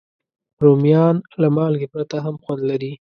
رومیان له مالګې پرته هم خوند لري